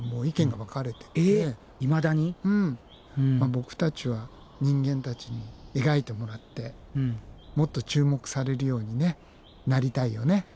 ボクたちは人間たちに描いてもらってもっと注目されるようになりたいよね。